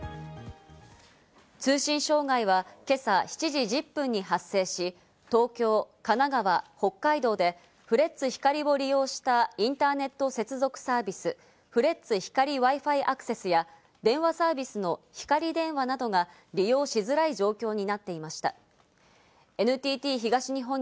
通信障害は今朝７時１０分に発生し、東京、神奈川、北海道でフレッツ光を利用したインターネット接続サービス＝フレッツ光Ｗｉｆｉアクセスや電話サービスのひかり電話などが利用しづらい状況になっていました。